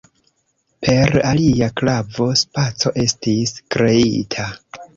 Per alia klavo spaco estis kreita.